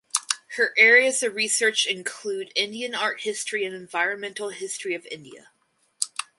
Her areas of research include Indian Art History and Environmental History of India.